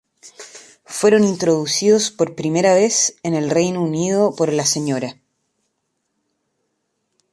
Fueron introducidos por primera vez en el Reino Unido por la Sra.